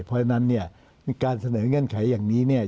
เพราะฉะนั้นเนี่ยการเสนอเงื่อนไขอย่างนี้เนี่ย